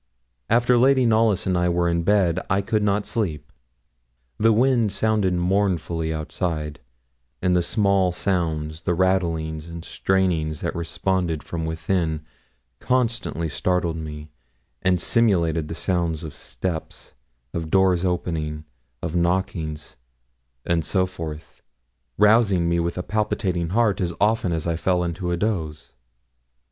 After Lady Knollys and I were in bed, I could not sleep. The wind sounded mournfully outside, and the small sounds, the rattlings, and strainings that responded from within, constantly startled me, and simulated the sounds of steps, of doors opening, of knockings, and so forth, rousing me with a palpitating heart as often as I fell into a doze.